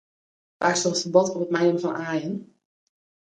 Faaks troch it ferbod op it meinimmen fan aaien?